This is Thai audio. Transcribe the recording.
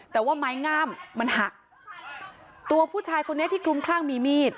แต่ว่าไม้งามมันหักตัวผู้ชายคนนี้ที่คลุมคลั่งมีมีด